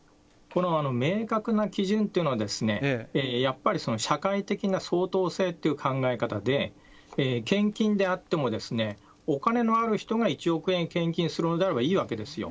この明確な基準というのは、やっぱり社会的な相当性という考え方で、献金であっても、お金のある人が１億円献金するのであればいいわけですよ。